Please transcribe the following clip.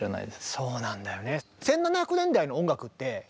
そうなんだよね。